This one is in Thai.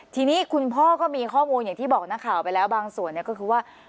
ทีนี้คุณพ่อก็มีข้อมูลอย่างที่บอกนักข่าวไปแล้วบางส่วนก็คือว่า